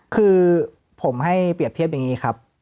คือผมให้เปรียบเทียบอย่างนี้ครับ